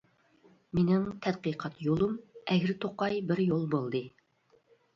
مىنىڭ تەتقىقات يولۇم ئەگرى توقاي بىر يول بولدى.